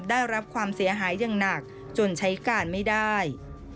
ได้รับความเสียหายอย่างหนักจนใช้การไม่ได้